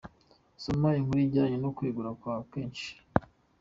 Soma inkuru ijyanye no kwegura kwa Keshi.